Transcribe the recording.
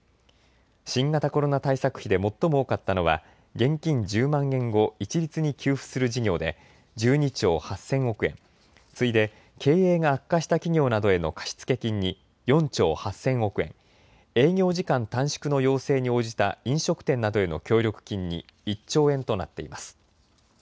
新型コロナ対策費で最も多かったのは現金１０万円を一律に給付する事業で１２兆８０００億円、次いで県が悪化した企業などへの貸付金に４兆８０００億円、営業時間短縮の要請に応じた飲食店などへの協力金に１兆円となっています。